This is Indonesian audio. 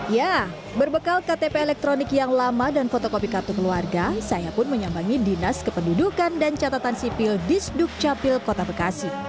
ya berbekal ktp elektronik yang lama dan fotokopi kartu keluarga saya pun menyambangi dinas kependudukan dan catatan sipil di sdukcapil kota bekasi